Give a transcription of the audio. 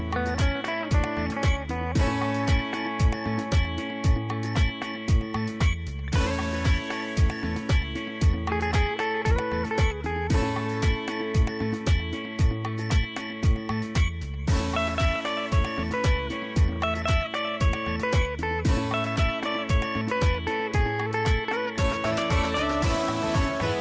โปรดติดตามตอนต่อไป